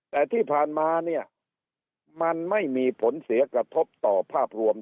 แต่ที่ผ่านมาเนี่ยมันไม่มีผลเสียกระทบต่อภาพรวม